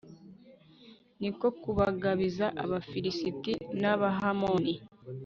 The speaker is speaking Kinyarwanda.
ni ko kubagabiza abafilisiti n'abahamoni